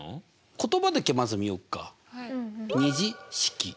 言葉だけまず見よっか。